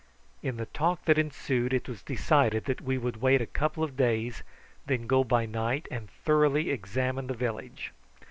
In the talk that ensued it was decided that we would wait a couple of days, and then go by night and thoroughly examine the village.